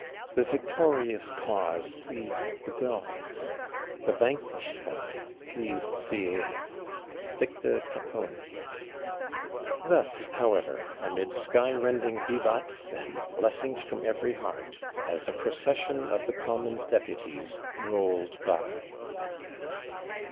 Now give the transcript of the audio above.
The victorious cause pleased the gods, the vanquished one pleased Sieyès (victa Catoni). Thus, however, amid sky rending vivats, and blessings from every heart, has the Procession of the Commons Deputies rolled by.